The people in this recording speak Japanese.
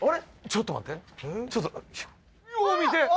ちょっと待って。